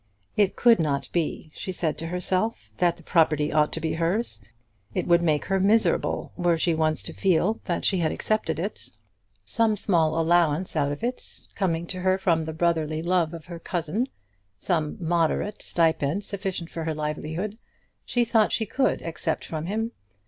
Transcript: It could not be, she said to herself, that the property ought to be hers. It would make her miserable, were she once to feel that she had accepted it. Some small allowance out of it, coming to her from the brotherly love of her cousin, some moderate stipend sufficient for her livelihood, she thought she could accept from him.